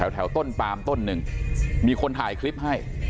แถวต้นปามต้นหนึ่งมีคนถ่ายคลิปให้